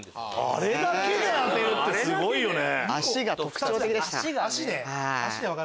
あれだけで当てるってすごいよね。